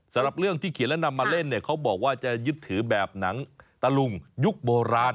สำหรับเรื่องที่เขียนและนำมาเล่นเนี่ยเขาบอกว่าจะยึดถือแบบหนังตะลุงยุคโบราณ